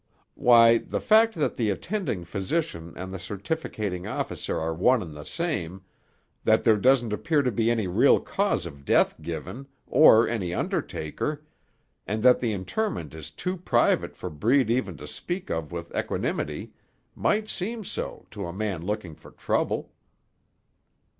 "Why, the fact that the attending physician and the certificating officer are one and the same, that there doesn't appear to be any real cause of death given, or any undertaker, and that the interment is too private for Breed even to speak of with equanimity, might seem so, to a man looking for trouble."